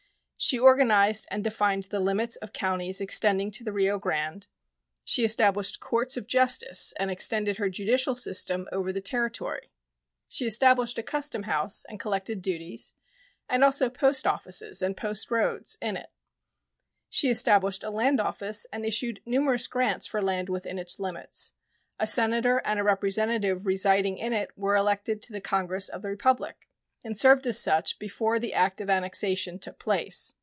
She organized and defined the limits of counties extending to the Rio Grande; she established courts of justice and extended her judicial system over the territory; she established a custom house and collected duties, and also post offices and post roads, in it; she established a land office and issued numerous grants for land within its limits; a senator and a representative residing in it were elected to the Congress of the Republic and served as such before the act of annexation took place.